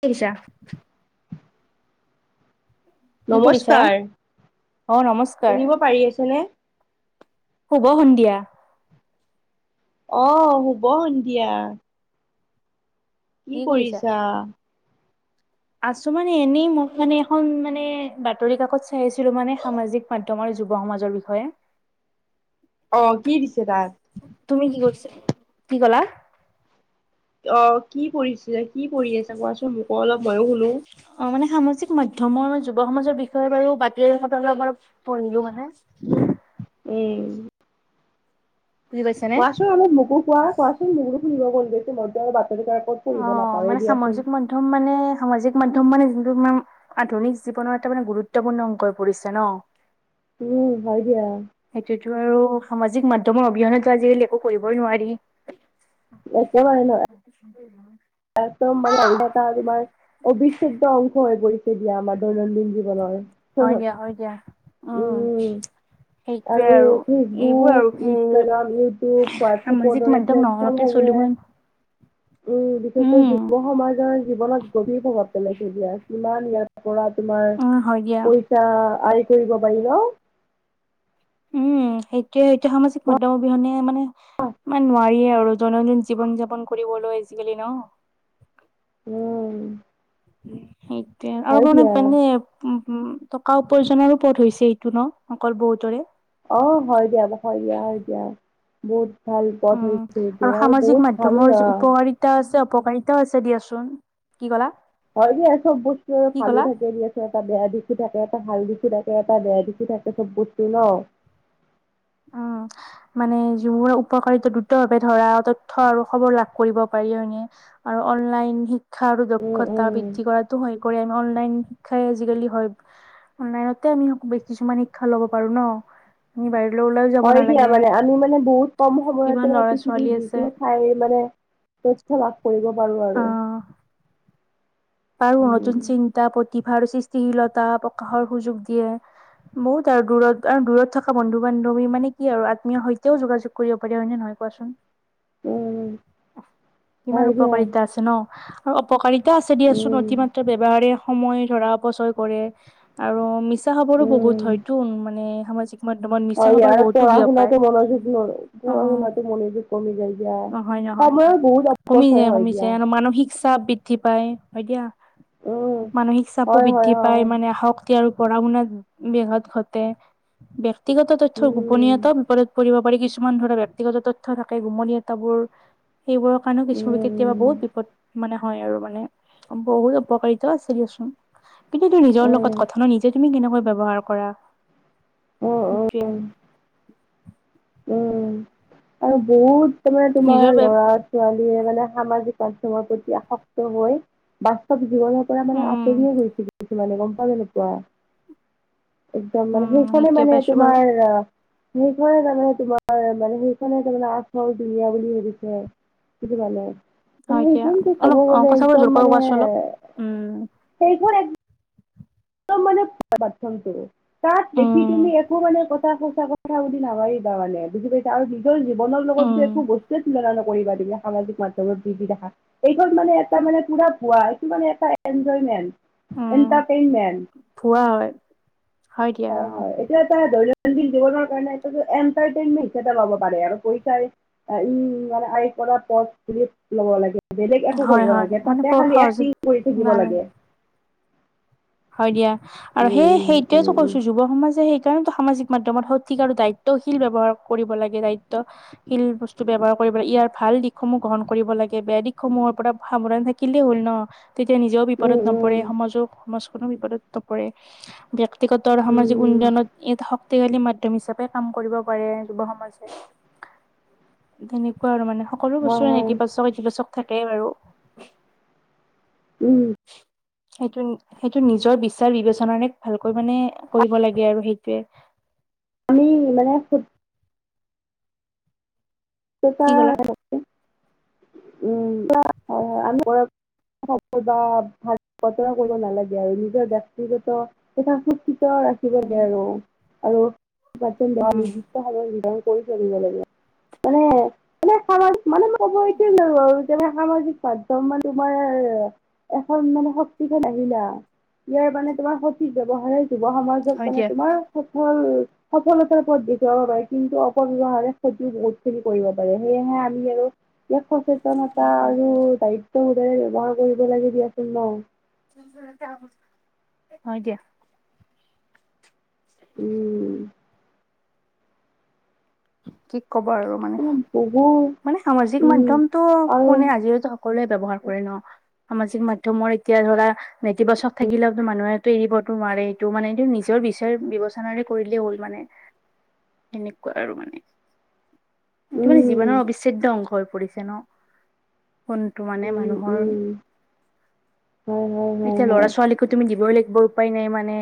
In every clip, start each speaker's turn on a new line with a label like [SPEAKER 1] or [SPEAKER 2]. [SPEAKER 1] কি দিছা? কি কৰিছা,
[SPEAKER 2] নমস্কাৰ
[SPEAKER 1] অ', নমস্কাৰ।
[SPEAKER 2] শুনিব পাৰি আছেনে?
[SPEAKER 1] শুভ সন্ধিয়া।
[SPEAKER 2] অ', শুব সন্ধিয়া। কি কৰিছা?
[SPEAKER 1] আছো মানে এনেই মোক মানে এখন, মানে বাতৰি কাকত চাই আছিলো মানে সামাজিক মাধ্যমৰ যুৱ সমাজৰ বিষয়ে।
[SPEAKER 2] অ', কি দিছে তাত?
[SPEAKER 1] তুমি কি কৰিছা? কি কলা?
[SPEAKER 2] অ', কি পৰিছিলে, কি পৰি আছে কোৱাচোন মোকো অলপ ময়ো শুনো।
[SPEAKER 1] জিক মাধ্যমৰ, যুৱ সমাজৰ বিষয়ে বাৰু বাতৰি কাকতত অলপ-অলপ পঢ়িলো মানে।
[SPEAKER 2] উম।
[SPEAKER 1] বুজি পাইছানে?
[SPEAKER 2] কোৱাচোন অলপ মোকো কোৱা, কোৱাচোন মোকো ফুৰিব মন গৈছে মইতো [unintelligible] পঢ়িব
[SPEAKER 1] অ',
[SPEAKER 2] নাপাওঁৱে
[SPEAKER 1] মানে
[SPEAKER 2] দিয়াচোন।
[SPEAKER 1] সামাজিক মাধ্যম মানে, সামাজিক মাধ্যম মানে, যোনটো উম আধুনিক জীৱনৰ এটা মানে গুৰুত্বপূৰ্ণ অংক হৈ পৰিছে ন?
[SPEAKER 2] উম, হয় দিয়া।
[SPEAKER 1] সেইটোতো আৰু সামাজিক মাধ্যমৰ অবিহনেতো আজিকালি একো কৰিবই নোৱাৰি
[SPEAKER 2] একেবাৰে [unintelligible]
[SPEAKER 1] [unintelligible]
[SPEAKER 2] একদম মানে [unintelligible] তোমাৰ অভিচেদ্য অংশ হৈ পৰিছে দিয়া আমাৰ দৈনন্দিন জীৱনৰ,
[SPEAKER 1] হয়
[SPEAKER 2] [unintelligible]
[SPEAKER 1] দিয়া হয় দিয়া
[SPEAKER 2] উম। আৰু
[SPEAKER 1] এইবোৰ আৰু
[SPEAKER 2] ফেচবুক
[SPEAKER 1] সেই
[SPEAKER 2] ইনষ্টাগ্ৰাম ইউটিউব
[SPEAKER 1] সামাজিক
[SPEAKER 2] হোৱাটছএপৰ দৰে
[SPEAKER 1] মাধ্যম
[SPEAKER 2] প্লেটফৰ্মসমূহ
[SPEAKER 1] [unintelligible]
[SPEAKER 2] উম, বিশেষকৈ যুৱ সমাজৰ জীৱনত গভীৰ প্ৰভাৱ পেলাইছে দিয়া, কিমান ইয়াত পৰা তোমাৰ
[SPEAKER 1] উম হয় দিয়া
[SPEAKER 2] পইচা আয় কৰিব পাৰিবা
[SPEAKER 1] উম সেইটোয়ে সটোয়ে সামাজিক মাধ্যমৰ অবিহনে মানে মানে নোৱাৰিয়ে আৰু আৰু দৈনন্দিন জীৱন যাপন কৰিবলৈ আজিকালি ন
[SPEAKER 2] উম।
[SPEAKER 1] সেইটোৱে, আৰু
[SPEAKER 2] হয় দিয়া
[SPEAKER 1] [unintelligible] উম, টকা উপাৰ্জনৰো পথ হৈছে এইটো ন, অকল বহুতৰে।
[SPEAKER 2] অ হয় দিয়া হয় দিয়া হয় দিয়া বহুত ভাল পথ
[SPEAKER 1] উম,
[SPEAKER 2] হৈছে
[SPEAKER 1] আৰু
[SPEAKER 2] এইটো
[SPEAKER 1] সামাজিক
[SPEAKER 2] বহুত ভাল
[SPEAKER 1] মাধ্যমৰ যে
[SPEAKER 2] আহ,
[SPEAKER 1] উপকাৰিতা আছে উপকাৰিতাও আছে দিয়া, কি কলা?
[SPEAKER 2] হয় দিয়া, চব বস্তু
[SPEAKER 1] কি
[SPEAKER 2] ভালো
[SPEAKER 1] ক'লা
[SPEAKER 2] থাকে দিয়া [unintelligible] বেয়া দিশটো থাকে এটা ভাল দিশ কিবাকে এটা বেয়া দেখি থাকে চব বস্তু ন?
[SPEAKER 1] অ', মানে যিবোৰ উপকাৰিত দ্ৰুত ভাৱে, ধৰা তথ্য আৰু খবৰ লাভ কৰিব পাৰি [unintelligible] আৰু অনলাইন শিক্ষা আৰু
[SPEAKER 2] উম
[SPEAKER 1] দক্ষতা
[SPEAKER 2] উম
[SPEAKER 1] বৃদ্ধি কৰাটো হৈ কৰে, অনলাইন শিক্ষাৰে আজিকালি হয়, মানে এতিয়া কিছুমান শিক্ষা লব পাৰো ন? মোবাইল
[SPEAKER 2] হয় দিয়া মানে আমি মানে বহুত কম সময়তে
[SPEAKER 1] কিমান
[SPEAKER 2] মানে
[SPEAKER 1] ল'ৰা
[SPEAKER 2] পৃথিৱী
[SPEAKER 1] ছোৱালী আছে
[SPEAKER 2] যিকোনো ঠাই মানে তথ্য লাভ কৰিব পাৰো আৰু।
[SPEAKER 1] পাৰো নতুন
[SPEAKER 2] উম
[SPEAKER 1] চিন্তা, প্ৰতিভা, সৃষ্টিশীলতা প্ৰকাশৰ সুযোগ দিয়ে। বহুত আৰু দূৰত আৰু দূৰত থকা বন্ধু বান্ধৱী মানে কি আৰু আত্মীয়ৰ সৈতেও যোগাযোগ কৰিব পাৰে হয় নে নহয়? কোৱাচোন।
[SPEAKER 2] উম,
[SPEAKER 1] কিমান
[SPEAKER 2] হয় দিয়া
[SPEAKER 1] উপকাৰিতা আছে ন, আৰু অপকাৰিতা আছে দিয়াচো [unintelligible] ইচ
[SPEAKER 2] উম
[SPEAKER 1] হবৰো বহুত
[SPEAKER 2] উম
[SPEAKER 1] হয়তো মানে সামাজিক [inaudible] মিছা
[SPEAKER 2] হয়
[SPEAKER 1] খবৰ
[SPEAKER 2] ইয়াৰ
[SPEAKER 1] বহুতো
[SPEAKER 2] পঢ়া
[SPEAKER 1] বিয়পায়।
[SPEAKER 2] শুনাটো মনযোগ ন
[SPEAKER 1] অ
[SPEAKER 2] পঢ়া শুনাটো মনযোগ কমি যায় যায়।
[SPEAKER 1] নহয় কমি যায় কমি যায় আৰু মানসিক চাপ বৃদ্ধি পাই হয় দিয়া।
[SPEAKER 2] উম
[SPEAKER 1] মানসিক চাপো
[SPEAKER 2] হয় হয়
[SPEAKER 1] বৃদ্ধি পাই
[SPEAKER 2] হয়
[SPEAKER 1] মানে আহক। আৰু পঢ়া শুনাত বেঘত ঘটে ব্যক্তিগত তথ্য
[SPEAKER 2] উম
[SPEAKER 1] গোপনীয়তাও বিপদত পৰিব। কিছুমান ধৰা ব্যক্তিগত তথ্য থাকে গুমনি এটাবোৰ। সেইবোৰৰ কাৰণেও কিছু কেতিয়াবা
[SPEAKER 2] উম
[SPEAKER 1] বহুত বিপদ মানে হয় আৰু মানে। বহুত উপকাৰিতা আছিল দিয়চোন কিন্তু তোৰ
[SPEAKER 2] উম
[SPEAKER 1] নিজৰ
[SPEAKER 2] উম
[SPEAKER 1] লগত কথা ন নিজে তুমি কেনেকৈ ব্যৱহাৰ কৰা
[SPEAKER 2] উম
[SPEAKER 1] সেইটোৱে
[SPEAKER 2] উম আৰু বহুতো মানে তোমাৰ
[SPEAKER 1] নিজৰ বে
[SPEAKER 2] লৰা ছোৱালীয়ে মানে সামাজিক মাধ্যমত প্ৰতি আসক্ত হৈ বাস্তৱ জীৱনৰ পৰা মানে
[SPEAKER 1] উম
[SPEAKER 2] আঁতৰিয়ে গৈছে মানে গম পোৱা নে নোপোৱা একদম মানে
[SPEAKER 1] উম
[SPEAKER 2] সেইখনে
[SPEAKER 1] সেইটোৱে
[SPEAKER 2] মানে
[SPEAKER 1] পাইছো বাৰু
[SPEAKER 2] তোমাৰ কি কৰে জানো। তোমাৰ মানে সেইখনে তাৰমানে আচল দুনীয়া বুলি ভাবিছে সেইটো কাৰণে মান
[SPEAKER 1] হয় এতিয়া
[SPEAKER 2] সেইখনতো
[SPEAKER 1] অলপ
[SPEAKER 2] ক'ব
[SPEAKER 1] অ
[SPEAKER 2] গলে
[SPEAKER 1] কথাবোৰ
[SPEAKER 2] একদম
[SPEAKER 1] জোৰকৈ
[SPEAKER 2] মানে
[SPEAKER 1] কোৱাচোন অলপ উম
[SPEAKER 2] সেইখন ত' মানে [unintelligible] তাত দেখি
[SPEAKER 1] উম
[SPEAKER 2] তুমি একো মানে কথা সচা কথা বুলি নাভাবিবা মানে আৰু নিজৰ জীৱনৰ লগতো
[SPEAKER 1] উম
[SPEAKER 2] একো বস্তুৱে তুলনা নক কৰিব দিবা, সামাজিক মাধ্যমত বৃদ্ধি দেখা এইখন মানে এটা মানে পুৰা ভুৱা এইটো মানে এটা
[SPEAKER 1] উম
[SPEAKER 2] এনজয়মেণ্ট। এন্টাৰটেইনমেন্ট
[SPEAKER 1] ভুৱা হয় হয় দিয়া অহ
[SPEAKER 2] হয় এইটো দৈনন্দিন জীৱনৰ কাৰণে এইটো টো এন্টাৰটেইনমেন্ট হিচাপে ল'ব পাৰে আৰু পইচাই উম মানে আই কনত পথ খুলি ল'ব লাগে বেলেগ একো
[SPEAKER 1] হয়
[SPEAKER 2] কৰিব
[SPEAKER 1] হয়
[SPEAKER 2] নালাগে
[SPEAKER 1] মানে
[SPEAKER 2] তাতে খালি
[SPEAKER 1] সহজ
[SPEAKER 2] একটিং কৰি থাকিব
[SPEAKER 1] নালাগে
[SPEAKER 2] লাগে
[SPEAKER 1] হয় দিয়া আৰু সেই
[SPEAKER 2] উম
[SPEAKER 1] সেইটোৱেতো
[SPEAKER 2] উম
[SPEAKER 1] কৈছো যুৱ সমাজে সেই সামাজিক মাধ্যমত সঠিক আৰু দায়িত্বশীল ব্যৱহাৰ কৰিব লাগে। দায়িত্বশীল বস্তু ব্যৱহাৰ ইয়াৰ ভাল দিশসমূহ গ্ৰহণ কৰিব লাগে বেয়া দিশসমূহৰ পৰা সাৱধান থাকিলেই হ'ল ন তেতিয়া নিজেও
[SPEAKER 2] উম উম
[SPEAKER 1] বিপদত নপৰে,
[SPEAKER 2] উম
[SPEAKER 1] সমাজো সমাজখনো বিপদত নপৰে। ব্যক্তিগতৰ সামাজিক
[SPEAKER 2] উম
[SPEAKER 1] উন্নয়ত ই শক্ শক্তি হালি মাধ্যম হিচাপে কাম কৰিব পাৰে যুৱ সমাজে তেনেকুৱা আৰু মানে সকলো
[SPEAKER 2] হয়
[SPEAKER 1] বস্তুৰে
[SPEAKER 2] হয়
[SPEAKER 1] নেতিবাচক ইতিবাচক থাকেই বাৰু
[SPEAKER 2] উম
[SPEAKER 1] সেইটোৱে সেইটো নিজৰ বিচাৰ বিবেচনাৰে ভালকৈ মানে কৰিব লাগে আৰু সেইটোৱে
[SPEAKER 2] আমি মানে
[SPEAKER 1] কি ক'লা
[SPEAKER 2] [unintelligible] [unintelligible] কৰিব নালাগে আৰু নিজৰ ব্যক্তিগত [unintelligible] ৰাখিবগে আৰু,
[SPEAKER 1] উম
[SPEAKER 2] আৰু নিৰ্দিষ্ট
[SPEAKER 1] উম
[SPEAKER 2] সময় সুবিধা। কৰি থিব লাগে মানে স মানেই ক' এতিয় আৰু তে, সামাজিক মাধ্যম মান তোমাৰ এখন মানে শক্তিখন আহিলা। ইয়াৰ মানে তোমাৰ সঠিক ব্যয়ৱহাৰে যুৱ সমাজক
[SPEAKER 1] হয়
[SPEAKER 2] মানে
[SPEAKER 1] দিয়া।
[SPEAKER 2] তোমাৰ সিক সল সফলতাৰ পথ দেখুৱাব পাৰে কিন্তু অপব্যৱহাৰ সঠিক বহুত খিন কৰিব পাৰে সেয়েহে আমি আৰু ইয়াক সচেতনতা
[SPEAKER 1] উম উম
[SPEAKER 2] আৰু
[SPEAKER 1] উম
[SPEAKER 2] দায়িত্ব। সদৰে ব্যৱহাৰ কৰিব লাগে দিয়াচোন ন।
[SPEAKER 1] হয় দিয়া।
[SPEAKER 2] উম,
[SPEAKER 1] ত [unintelligible]
[SPEAKER 2] উম, বহুত
[SPEAKER 1] মানে সামাজিক মাধ্যমতটো কোনে আজিও সকলোৱে ব্যেবহাৰ কৰে ন সামাজিক মাধ্যমৰ এতিয়া ধৰা নেতিবাচক থাকিলেওো মানুহটো এৰিব। টো মাৰে এইটো মানে এইটো নিজৰ বিচাৰ বিবেচনাৰে কৰিলেই হ'ল মানে। সেনেকুৱা আৰু মানে এইটো মানে
[SPEAKER 2] উম
[SPEAKER 1] জীৱনৰ অবিচ্ছেদ্য অংশ হৈ পৰিছে ন? তো মানে মানুহৰ
[SPEAKER 2] অ
[SPEAKER 1] এতিয়া ল'ৰা ছোৱালীকো তুমি দিবই লাগিব উপায় নাই মানে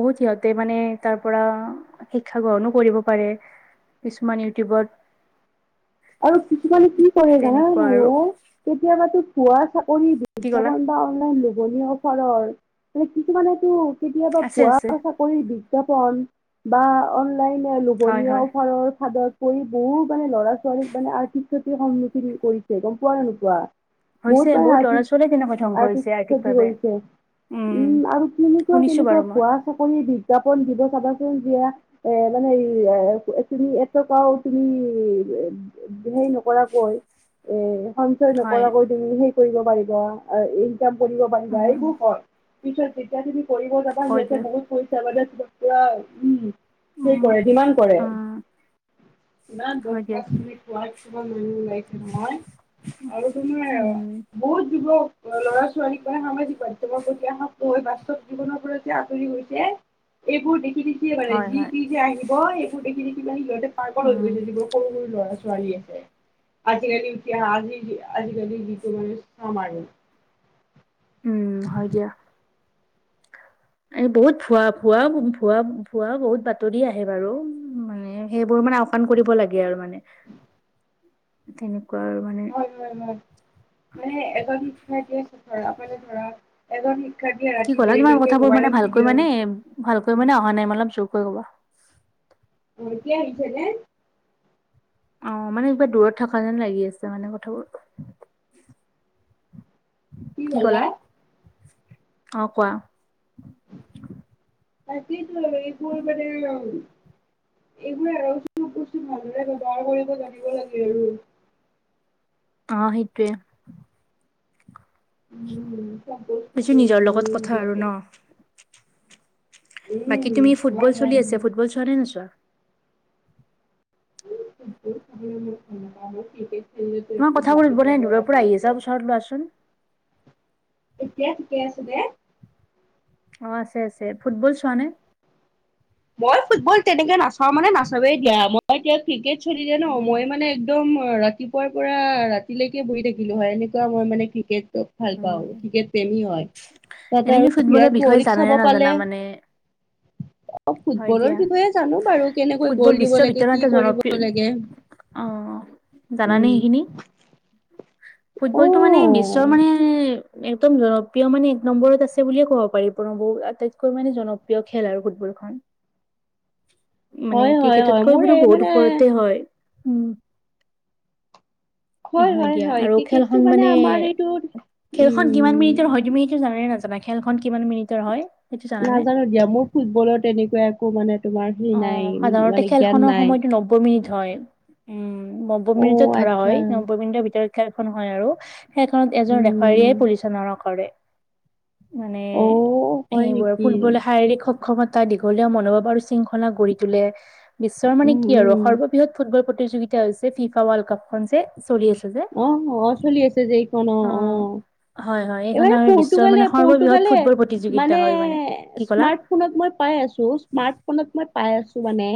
[SPEAKER 1] বহুত সিহঁতে মানে তাৰ পৰা শিক্ষা গ্ৰহণো কৰিব পাৰে, কিছুমান ইউটিউবত
[SPEAKER 2] আৰু কিছুমানে কি কৰে জানানে
[SPEAKER 1] তেনেকুৱা
[SPEAKER 2] নাই
[SPEAKER 1] আৰু
[SPEAKER 2] অ কেতিয়াবাতো ভুৱা কৰি
[SPEAKER 1] কি ক'লা?
[SPEAKER 2] বিজ্ঞাপন বা অনলাইন বিপনি অফাৰৰ মানে কিছুমানে কেতিয়াবা
[SPEAKER 1] আছে
[SPEAKER 2] পোৱা
[SPEAKER 1] আছে
[SPEAKER 2] চাকৰি বিজ্ঞাপন, বা
[SPEAKER 1] হয়
[SPEAKER 2] লোভনীয়
[SPEAKER 1] হয়
[SPEAKER 2] অফাৰৰ ফাদত কৰি বহুত মানে ল'ৰা ছাল কতিৰ সন্মুখীন কৰিছে গম পোৱা নে নোপোৱা?
[SPEAKER 1] হৈছে
[SPEAKER 2] বহুত মানে
[SPEAKER 1] ল'ৰা
[SPEAKER 2] আৰ্থিক,
[SPEAKER 1] ছোৱালীয়ে তেনেকৈ ধ্বংস
[SPEAKER 2] আৰ্থিক
[SPEAKER 1] হৈছে
[SPEAKER 2] ক্ষতি
[SPEAKER 1] আৰ্থিকভাৱে।
[SPEAKER 2] হৈছে। উম, আৰু কেনেকুৱা
[SPEAKER 1] শুনিছো
[SPEAKER 2] কেনেকুৱা
[SPEAKER 1] বাৰু মই
[SPEAKER 2] ভুৱা চাকৰিৰ বিজ্ঞাপন দিব চাবাচোন। য়া এ মানে এ তুমি এটকাও তুমি সেই নকৰাকৈ এ সঞ্চয়
[SPEAKER 1] হয়
[SPEAKER 2] নকৰাকৈ তুমি সেই ইনকাম কৰিব পাৰিবা
[SPEAKER 1] উম উম,
[SPEAKER 2] এইবোৰ হয় পিয়া তি কৰিব যাবা
[SPEAKER 1] হয়
[SPEAKER 2] সিহঁতে
[SPEAKER 1] দিয়ক
[SPEAKER 2] বহুত পৰিছো বাুৰা উম কি
[SPEAKER 1] উম
[SPEAKER 2] কৰে যিমান কৰে
[SPEAKER 1] উম। হয় দিয়া
[SPEAKER 2] ব ন লাইছে নই আৰু তোমাৰ
[SPEAKER 1] উম
[SPEAKER 2] বহুত যুৱ লৰা ছোৱালী পৰা আমি তোমাৰ প্ৰতি বাস্তৱ জীৱনৰ পৰা যে আঁতৰি গৈছে, এইবোৰ দে কি দেখিয়ে,
[SPEAKER 1] হয়
[SPEAKER 2] যি
[SPEAKER 1] হয়
[SPEAKER 2] কি যে আহিব, সেইবোৰ দেখি দেখি মানে সিহঁতে পাগল হৈ
[SPEAKER 1] উম
[SPEAKER 2] গৈছে, যিবোৰ সৰু সৰু লৰা ছোৱালী আছে। আজিকালি ইতিহাস আজি আজিকালি গীত মান সামাৰো।
[SPEAKER 1] উম, হয় দিয়া। এই বহুত ভুৱা পোৱা, ভুৱা ভুৱা বহুত বাতৰি আহে বাৰু মানে সেইবোৰ মানে আওকাণ কৰিব লাগে আৰু মানে তেনে
[SPEAKER 2] হয় হয় হয়, মানে এজন শিক্ষাৰ্থীয়ে ধৰা, মানে ধৰা এজন শিক্ষাৰ্থীয়ে
[SPEAKER 1] কি
[SPEAKER 2] ৰাতি
[SPEAKER 1] কলা, তোমাৰ
[SPEAKER 2] দেৰিলৈকে
[SPEAKER 1] কথাবোৰ মানে
[SPEAKER 2] মোবাইলত
[SPEAKER 1] ভালকৈ মানে
[SPEAKER 2] ভিডিঅ'
[SPEAKER 1] ভালকৈ মানে অহা নাই মানে অলপ জোৰকৈ কবা
[SPEAKER 2] এতিয়া আহিছেনে
[SPEAKER 1] অহ, মানে কিবা দূৰত থকা যেন লাগি আছে মানে কথাবোৰ [inaudible]
[SPEAKER 2] কি কলা
[SPEAKER 1] অহ কোৱা
[SPEAKER 2] [unintelligible] এইবোৰে আৰু কিছুমান বস্তু ভালদৰে ব্যৱহাৰ কৰিব জানিব লাগে আৰু
[SPEAKER 1] অ সেইটোৱে
[SPEAKER 2] উম
[SPEAKER 1] পিছে
[SPEAKER 2] সম্পোচটোৰ
[SPEAKER 1] নিজৰ
[SPEAKER 2] ভাল
[SPEAKER 1] লগত
[SPEAKER 2] উম
[SPEAKER 1] কথা
[SPEAKER 2] হয়
[SPEAKER 1] আৰু নহ বাকী তুমি ফুটবল
[SPEAKER 2] হয়
[SPEAKER 1] চলি আছে, ফুটবল চোৱা নে নোচোৱা
[SPEAKER 2] [unintelligible]
[SPEAKER 1] তোমাৰ
[SPEAKER 2] একদম
[SPEAKER 1] কথাবোৰ
[SPEAKER 2] ৰাতিপুৱাৰ
[SPEAKER 1] প্ৰায় দূৰৰ পৰা আহি
[SPEAKER 2] ৰাতিলৈকে
[SPEAKER 1] আছে ওচৰত লোৱাচোন।
[SPEAKER 2] এতিয়া [unintelligible]
[SPEAKER 1] অ আছে আছে। ফুটবল চোৱা নে?
[SPEAKER 2] মই ফুটবল তেনেকে নাচাওঁ মানে নাচাৱে দিয়া মইয়া ক্ৰিকেট দি দিয়ে ন মই
[SPEAKER 1] উম
[SPEAKER 2] মানে একদম হয় ৰাতিপুৱাৰ পৰা ৰাতিলৈকে বহি থাকিলো হয় এনেকুৱা মই মানে ক্ৰিকেট ভাল পাওঁ ক্ৰিকেট প্ৰেমী হয়
[SPEAKER 1] এনে
[SPEAKER 2] তাতে
[SPEAKER 1] কি
[SPEAKER 2] আৰু
[SPEAKER 1] ফুটবলৰ
[SPEAKER 2] বিৰাট
[SPEAKER 1] বিষয়ে
[SPEAKER 2] কোহলী
[SPEAKER 1] জানে নে
[SPEAKER 2] চাব
[SPEAKER 1] নাজানা
[SPEAKER 2] পালে
[SPEAKER 1] [inaudible]
[SPEAKER 2] অ
[SPEAKER 1] হয়
[SPEAKER 2] ফুটবলৰ
[SPEAKER 1] দিয়া
[SPEAKER 2] বিষয়ে জানো বাৰু কেনেকৈ
[SPEAKER 1] ফুটবল
[SPEAKER 2] গ'ল দিব
[SPEAKER 1] বিশ্বৰ
[SPEAKER 2] লাগে কি
[SPEAKER 1] ভিতৰতে
[SPEAKER 2] কৰিব
[SPEAKER 1] জনপ্ৰিয়
[SPEAKER 2] লাগে
[SPEAKER 1] অ জানানে
[SPEAKER 2] উম।
[SPEAKER 1] সেইখিনি
[SPEAKER 2] অ
[SPEAKER 1] ফুটবলটো মানে বিশ্বৰ মানে একদম জনপ্ৰিয় মানে এক নম্বৰত আছে বুলিয়ে ক'ব পাৰিব [unintelligible] আটাইতকৈ মানে জনপ্ৰিয় খেল আৰু ফুটবল খন মানে
[SPEAKER 2] হয় হয়
[SPEAKER 1] ক্ৰিকেট
[SPEAKER 2] হয় মোৰ
[SPEAKER 1] কৈও
[SPEAKER 2] এই
[SPEAKER 1] বহুত
[SPEAKER 2] মানে
[SPEAKER 1] ওপৰতে হয় উম [inaudible] হয় দিয়া আৰু খেলখন মানে খেলখন কিমান
[SPEAKER 2] উম
[SPEAKER 1] মিনিটৰ হয় তুমি সেইটো জানে নাজ জানা খেলখন কিমান মিনিটৰ হয় সেইটো জানানে?
[SPEAKER 2] নাজানো দিয়া মোৰ ফুটবলৰ তেনেকুৱা একো মানে তোমাৰ হেৰি
[SPEAKER 1] অ
[SPEAKER 2] নাই
[SPEAKER 1] সাধাৰণতে
[SPEAKER 2] মানে
[SPEAKER 1] খেল
[SPEAKER 2] জ্ঞান
[SPEAKER 1] খনৰ
[SPEAKER 2] নাই।
[SPEAKER 1] সময়টো নব্বৈ মিনিট হয় উম নব্বৈ
[SPEAKER 2] অ
[SPEAKER 1] মিনিটত ধৰা
[SPEAKER 2] আচ্ছা
[SPEAKER 1] হয় নব্বৈ মিনিটৰ ভিতৰত খেলখন হয় আৰু সেইখনত এজন
[SPEAKER 2] উম
[SPEAKER 1] ৰেফাৰীয়ে পৰিচালনা কৰে মানে
[SPEAKER 2] অ হয়
[SPEAKER 1] সেইবোৰ
[SPEAKER 2] নেকি
[SPEAKER 1] ফুটবলে শাৰীৰিক সক্ষমতা দীঘলীয়া মনোভাব আৰু শৃংখলা গঢ় তোলে বিশ্বৰ মানে
[SPEAKER 2] উম
[SPEAKER 1] কি
[SPEAKER 2] উম
[SPEAKER 1] আৰু সৰ্ববৃহৎ ফুটবল প্ৰতি প্ৰতিযোগিতা হৈছে ফিফা ৱৰ্ল্ড কাপখন যে চলি আছ
[SPEAKER 2] অহ অ চলি আছে যে এইখন অ অ
[SPEAKER 1] হয় হয় এইখন
[SPEAKER 2] এইবাৰ
[SPEAKER 1] আমাৰ বিশ্বৰ
[SPEAKER 2] পৰ্টুগালে
[SPEAKER 1] মানে সৰ্ববৃহৎ
[SPEAKER 2] পৰ্টুগালে
[SPEAKER 1] ফুটবল প্ৰতিযোগিতা
[SPEAKER 2] মানে
[SPEAKER 1] হয় কি ক'লা?
[SPEAKER 2] স্মাৰ্ট ফোনত মই পাই আছো স্মাৰ্ট ফোনত মই পাই আছো মানে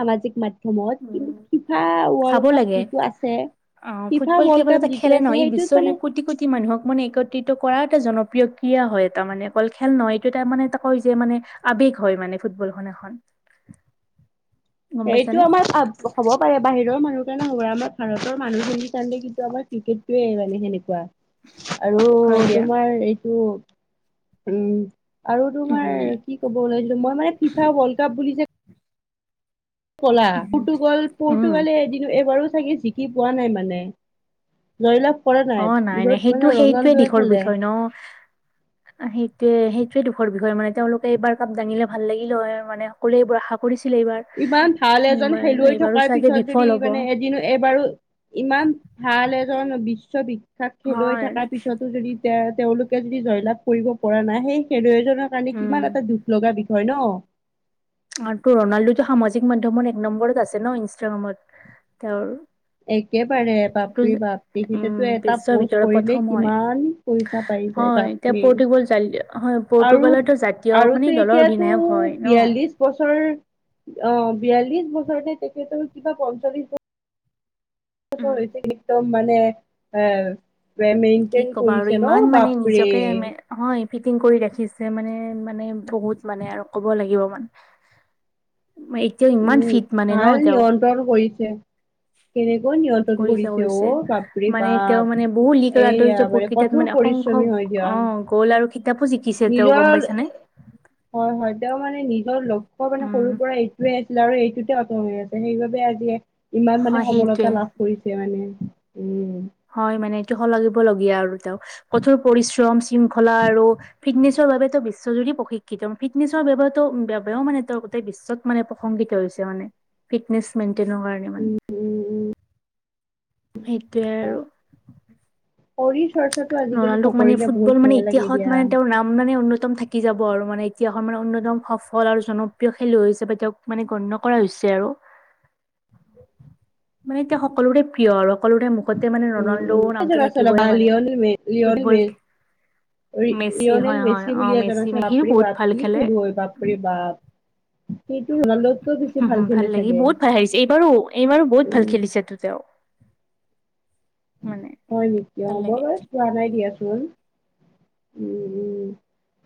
[SPEAKER 2] সামাজিক মাধম মত কিন্তু
[SPEAKER 1] উম,
[SPEAKER 2] ফিফা ৱৰ্ল্ড
[SPEAKER 1] চাব
[SPEAKER 2] কাপ
[SPEAKER 1] লাগে।
[SPEAKER 2] যিটো আছে
[SPEAKER 1] অ
[SPEAKER 2] ফিফা
[SPEAKER 1] ফুটবল
[SPEAKER 2] ৱৰ্ল্ড
[SPEAKER 1] কেৱল
[SPEAKER 2] কাপ
[SPEAKER 1] এটা
[SPEAKER 2] যিটো
[SPEAKER 1] খেলে
[SPEAKER 2] আছে
[SPEAKER 1] নহয় ই
[SPEAKER 2] সেইটোত
[SPEAKER 1] বিশ্বৰ
[SPEAKER 2] মানে
[SPEAKER 1] কোটি কোটি মানুহক মানে একত্ৰিত কৰা এটা জন প্ৰিয় প্ৰক্ৰিয়া হয় এটা মানে অকল খেল নহয় এইটো এটা মানে এটা কয় যে মানে আৱেগ হয় মানে ফুটবলখন এখন গম
[SPEAKER 2] সেইটো
[SPEAKER 1] পাইছানে?
[SPEAKER 2] আমাৰ হ'ব পাৰে বাহিৰৰ মানুহ ণ হ'ব আমাৰ ভাৰতৰ মানুহখিনিৰ কাৰণে কিন্তু আমাৰ ক্ৰিকেটোৱে এনেকুৱা আৰু
[SPEAKER 1] হয় দিয়া,
[SPEAKER 2] তোমাৰ এইটো উম আৰু তোমাৰ
[SPEAKER 1] উম।
[SPEAKER 2] কি ক'ব লাইছিলো মই মানে ফিফা ৱৰ্ল্ড কাপ বুলি যে কলা
[SPEAKER 1] উম,
[SPEAKER 2] পৰ্তুগাল
[SPEAKER 1] উম,
[SPEAKER 2] পৰ্তুগালে এদিন এবাৰো চাগে জিকি পোৱা নাই মানে ধৰিল
[SPEAKER 1] অ নাই নাই সেইটো সেইটোৱে দিশৰ
[SPEAKER 2] খেলে
[SPEAKER 1] বিষয় ন সেইটোৱে সেই সেই দুখৰ বিষয় মানে তেওঁলোকে এইবাৰ কাপ দাঙিলে ভাল লাগিলে মানে সকলোৱে বোৰ আশা কৰিছিলে এইবাৰ।
[SPEAKER 2] ইমান ভাল এজন
[SPEAKER 1] এইবাৰ
[SPEAKER 2] খেলুৱৈ
[SPEAKER 1] এইবাৰো
[SPEAKER 2] থকাৰ
[SPEAKER 1] চাগে
[SPEAKER 2] পিছত
[SPEAKER 1] বিফল
[SPEAKER 2] যদি
[SPEAKER 1] হ'ব
[SPEAKER 2] মানে এদিনো এবাৰো ইমান ভাল এজন বিশ বিশ্ববিখ্যাত খেলুৱৈ
[SPEAKER 1] হয়
[SPEAKER 2] থকাৰ পিছতো যদি তেওঁ তেওঁলোকে যদি জয়লাভ কৰিব পৰা নাই সেই খেলুৱৈ জনৰ কাৰণে
[SPEAKER 1] উম
[SPEAKER 2] কিমান এটা দুখ লগা বিষয় ন
[SPEAKER 1] আৰু ত ৰনাল্ডোটো সামাজিক মাধ্যমৰ এক নম্বৰত আছে ন ইনষ্টাগ্ৰামত তেওঁৰ
[SPEAKER 2] একেবাৰে
[SPEAKER 1] এইটো
[SPEAKER 2] বাপৰি বাপ
[SPEAKER 1] উম
[SPEAKER 2] তেখেতেতো এটা
[SPEAKER 1] বিশ্বৰ
[SPEAKER 2] পোষ্ট
[SPEAKER 1] ভিতৰত
[SPEAKER 2] কৰিলেই
[SPEAKER 1] প্ৰথম হয়
[SPEAKER 2] কিমান পইচা পা পাই যে
[SPEAKER 1] হয় এতিয়া
[SPEAKER 2] বাপৰে
[SPEAKER 1] পৰ্টুগল হয়
[SPEAKER 2] আৰু
[SPEAKER 1] পৰ্টুগালৰতো জাতীয় মানে
[SPEAKER 2] আৰুটো
[SPEAKER 1] দলৰ
[SPEAKER 2] এতিয়াতটো
[SPEAKER 1] অধিনায়ক হয় ন
[SPEAKER 2] বিয়াল্লিশ বছৰ অ বিয়াল্লিশ বছৰতে তেখেতৰ কিবা পঞ্চল্লিশ বছৰ বছৰ হৈছে কি একদম মানে আহ
[SPEAKER 1] কি
[SPEAKER 2] মেইনটেইন
[SPEAKER 1] ক'বা আৰু
[SPEAKER 2] কৰিছে ন
[SPEAKER 1] ইমান মানে
[SPEAKER 2] বাপৰে
[SPEAKER 1] নিজকে হয় ফিটিং কৰি ৰাখিছে মানে মানে বহুত মানে আৰু ক'ব লাগিব মানে। এতিয়াও ইমান
[SPEAKER 2] উম
[SPEAKER 1] ফিট মানে ন
[SPEAKER 2] ভাল
[SPEAKER 1] তেওঁ
[SPEAKER 2] নিয়ন্ত্ৰণ কৰিছে কেনেকৈ নিয়ন্ত্ৰ
[SPEAKER 1] কৰিছে কৰিছে মানে তেওঁ মানে বহু লীগৰ
[SPEAKER 2] এইয়া
[SPEAKER 1] আন্তৰিষ্ট প্ৰকৃতত
[SPEAKER 2] কঠোৰ
[SPEAKER 1] মানে অসংখ্য
[SPEAKER 2] পৰিশ্ৰমী হয় দিয়া
[SPEAKER 1] অ গ'ল আৰু। খিতাপো জিকিছে তেওঁ গম
[SPEAKER 2] নিজৰ
[SPEAKER 1] পাইছানে
[SPEAKER 2] হয় হয়। তেওঁ মানে নিজৰ লক্ষ্য মানে
[SPEAKER 1] উম
[SPEAKER 2] সৰুৰ পৰা এইটোৱে আছিল আৰু এইটোতে আকৰ্ষণীয় হৈ আছে সেইবাবে আজি ইমান
[SPEAKER 1] হয়
[SPEAKER 2] মানে
[SPEAKER 1] সেইটোৱে
[SPEAKER 2] সবলতা লাভ কৰিছে মানে। উম
[SPEAKER 1] হয় মানে এইটো সলাগিবলগীয়া আৰু তেওঁ কঠোৰ পৰিশ্ৰম শৃংখলা আৰু ফিটনেছৰ বাবে বিশ্বজুৰি প্ৰশিক্ষিত ফিটনেছৰ বাবেও মানে ত গোটেই বিশ্বত মানে প্ৰসংগিত। মানে ফিটনেচ মেইটেইনৰ কাৰণে মানে। সেইটোৱে আৰু।
[SPEAKER 2] শৰীৰ চৰ্চাটো আজিকালি
[SPEAKER 1] ৰনাল্ডক মানে
[SPEAKER 2] নকৰিলে বহুত
[SPEAKER 1] ফুটবল মানে
[SPEAKER 2] ভয় লাগে
[SPEAKER 1] ইতিহাসত
[SPEAKER 2] দিয়া
[SPEAKER 1] মানে তেওঁৰ নাম মানে উন্ন উতম থাকি যাব আৰু মানে এতিয়াখন মানে অন্যতম সফল আৰু জনপ্ৰিয় খেলুৱৈ হিচাপে তেওঁক মানে গণ্য কৰা হৈছে মানে এতিয়া সকলোৰে প্ৰিয় আৰু সকলোৰে মুখত এতিয়া মানে
[SPEAKER 2] উম উম
[SPEAKER 1] ৰনাল্ডোৰ নামটো থাকিবই মানে
[SPEAKER 2] [unintelligible] লিঅনেল
[SPEAKER 1] ফুটবল মেচি হয় হয়
[SPEAKER 2] মেচি
[SPEAKER 1] অ
[SPEAKER 2] বুলিয়ে
[SPEAKER 1] মেচি
[SPEAKER 2] জনাইছে
[SPEAKER 1] সিও
[SPEAKER 2] বাপৰে
[SPEAKER 1] বহুত
[SPEAKER 2] বাপ কি খেলুৱৈ বাপৰে বাপ সেইটো ৰনাল্ডতকৈও
[SPEAKER 1] [inaudible] হু
[SPEAKER 2] বেছি
[SPEAKER 1] হু ভাল
[SPEAKER 2] খেলে
[SPEAKER 1] লাগি
[SPEAKER 2] চাগে
[SPEAKER 1] বহুত ভাল আহিছে, এইবাৰো এইবাৰো বহুত ভাল
[SPEAKER 2] উম
[SPEAKER 1] খেলিছে তো তেওঁ [inaudible] মানে
[SPEAKER 2] হয় নেকি?
[SPEAKER 1] ভাল
[SPEAKER 2] অ', মই
[SPEAKER 1] লাগে
[SPEAKER 2] বাৰু চোৱা নাই দিয়াছো হম উম-উম